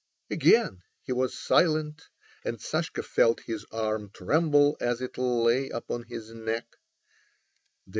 Again he was silent, and Sashka felt his arm tremble as it lay upon his neck.